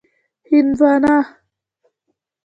🍉 هندوانه